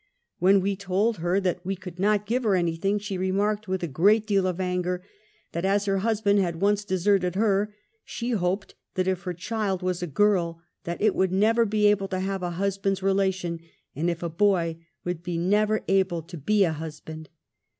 When we told her that we could 3 34 UN3IASKED. not give her anything, she remarked with a great deal of anger, that as her luisband had once deserted her, she hoped that if her child was a girJ that "it would never be able to have a husband's relation, and if a boy that it w^ould never be able to be a husband.'